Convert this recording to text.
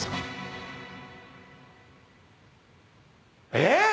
えっ